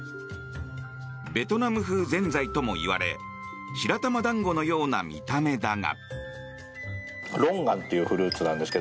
ベトナム風ぜんざいともいわれ白玉団子のような見た目だが。